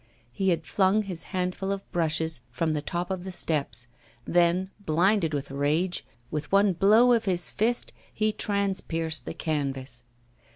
He had flung his handful of brushes from the top of the steps. Then, blinded with rage, with one blow of his fist he transpierced the canvas.